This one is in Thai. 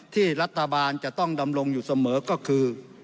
ที่รัฐบาลจะต้องดำรงอยู่เสมอก็คือ